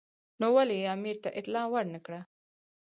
نو ولې یې امیر ته اطلاع ور نه کړه.